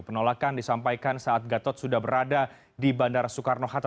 penolakan disampaikan saat gatot sudah berada di bandara soekarno hatta